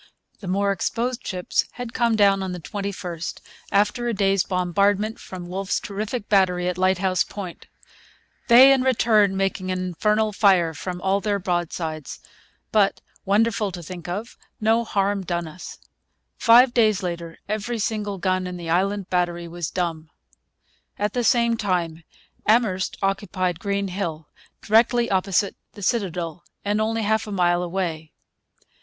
The more exposed ships had come down on the 21st, after a day's bombardment from Wolfe's terrific battery at Lighthouse Point: 'they in return making an Infernall Fire from all their Broadsides; but, wonderfull to think of, no harm done us.' Five days later every single gun in the Island Battery was dumb. At the same time Amherst occupied Green Hill, directly opposite the citadel and only half a mile away.